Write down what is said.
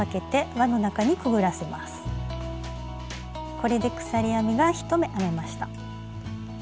これで鎖編みが１目編めました。